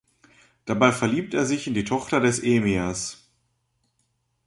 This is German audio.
Dabei verliebt er sich in die Tochter des Emirs.